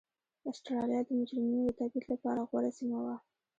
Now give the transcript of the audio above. اسټرالیا د مجرمینو د تبعید لپاره غوره سیمه وه.